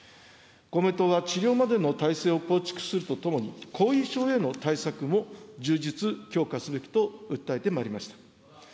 公明党は治療までの体制を構築するとともに、後遺症への対策も充実、強化すべきと訴えてまいりました。